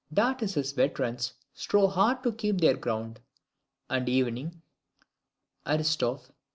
Datis's veterans strove hard to keep their ground, and evening [ARISTOPH.